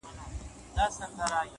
نور په ما مه کوه هوس راپسې وبه ژاړې’